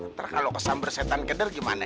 ntar kalau kesam bersetan keder gimana